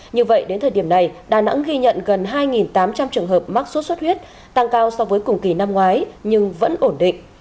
như vậy đến thời điểm này đà nẵng ghi nhận gần hai tám trăm linh trường hợp mắc sốt xuất huyết tăng cao so với cùng kỳ năm ngoái nhưng vẫn ổn định